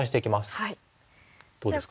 どうですか？